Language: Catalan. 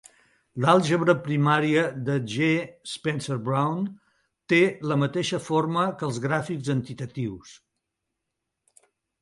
L'algebra primària de G. Spencer-Brown té la mateixa forma que els gràfics entitatius.